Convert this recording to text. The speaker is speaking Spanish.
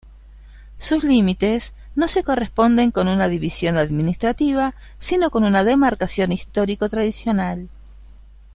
Sus límites no se corresponden con una división administrativa, sino con una demarcación histórico-tradicional.